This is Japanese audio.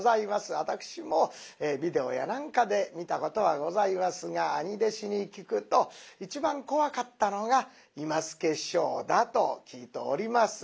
私もビデオや何かで見たことはございますが兄弟子に聞くと一番怖かったのが今輔師匠だと聞いております。